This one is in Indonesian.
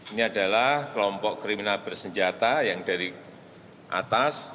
ini adalah kelompok kriminal bersenjata yang dari atas